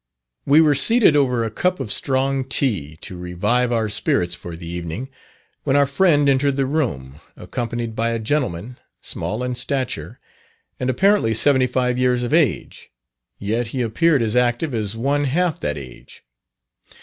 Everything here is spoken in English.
We were seated over a cup of strong tea, to revive our spirits for the evening, when our friend entered the room, accompanied by a gentleman, small in stature, and apparently seventy five years of age, yet he appeared as active as one half that age.